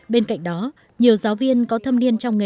bên cạnh đó nhiều giáo viên có thâm niên trong nghề